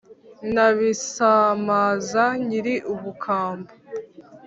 Na Bisamaza nyiri Ubukamba,